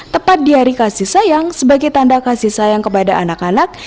tepat di hari kasih sayang sebagai tanda kasih sayang kepada anak anak